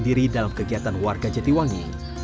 dia sendiri dalam kegiatan warga jatiwangi